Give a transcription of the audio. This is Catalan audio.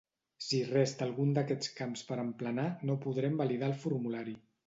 Si resta algun d'aquests camps per emplenar no podrem validar el formulari.